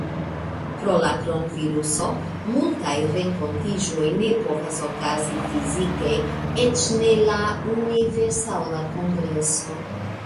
Pro la kronviruso multaj renkontiĝoj ne povas okazi fizike, eĉ ne la Universala Kongreso.